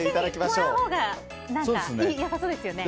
最初にもらうほうが良さそうですよね。